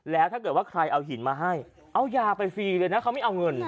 แล้วถ้าเกิดว่าใครเอาหินมาให้เอายาไปฟรีเลยนะเขาไม่เอาเงิน